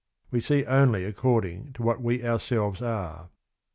We see only according to what we ourselves are.